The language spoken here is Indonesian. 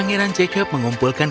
untuk menangkapmu menggabungkan